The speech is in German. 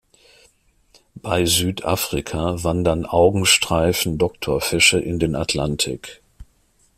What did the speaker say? Bei Südafrika wandern Augenstreifen-Doktorfische in den Atlantik.